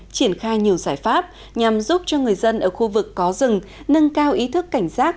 triển khai nhiều giải pháp nhằm giúp cho người dân ở khu vực có rừng nâng cao ý thức cảnh giác